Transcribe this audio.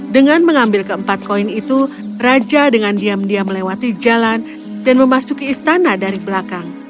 dengan mengambil keempat koin itu raja dengan diam diam melewati jalan dan memasuki istana dari belakang